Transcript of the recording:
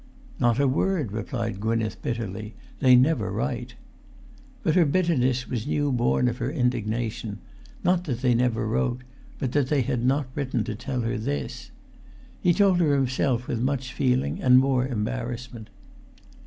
"Not a word," replied Gwynneth, bitterly. "They never write." But her bitterness was new born of her indigna[Pg 369]tion, not that they never wrote, but that they had not written to tell her this. He told her himself with much feeling and more embarrassment.